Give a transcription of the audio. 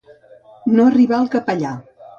No arribar al capellà.